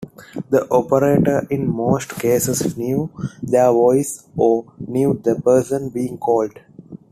The operator in most cases knew their voice or knew the person being called.